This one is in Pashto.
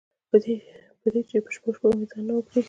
په دې چې په شپو شپو مې ځان نه و پرېښی.